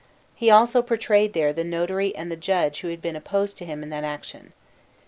He also portrayed there the notary and the judge who had been opposed to him in that action.